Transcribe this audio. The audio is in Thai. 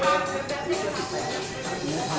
มันเป็นสิ่งที่เราไม่รู้สึกว่า